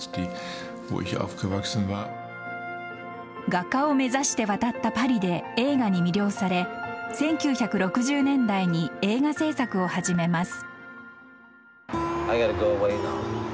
画家を目指して渡ったパリで映画に魅了され１９６０年代に映画製作を始めます。